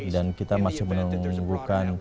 dan kita masih menunggu